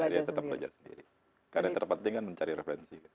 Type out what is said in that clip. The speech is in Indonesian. iya tetep belajar sendiri karena yang terpenting kan mencari referensi